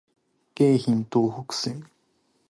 京浜東北線